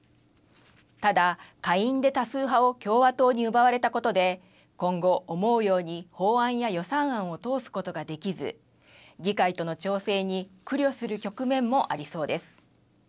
ただ下院で多数派を共和党に奪われたことで今後、思うように法案や予算案を通すことができず議会との調整に苦慮する局面もありそうです。